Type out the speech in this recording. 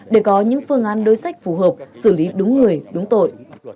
để có những phương án đối sách phù hợp xử lý đúng người đúng tội